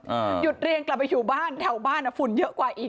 หยุดเรียนกลับไปอยู่บ้านแถวบ้านอ่ะฝุ่นเยอะกว่าอีก